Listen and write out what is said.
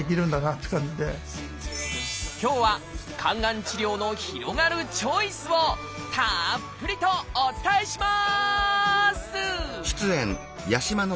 今日は肝がん治療の広がるチョイスをたっぷりとお伝えします！